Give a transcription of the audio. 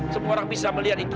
semua orang bisa melihat itu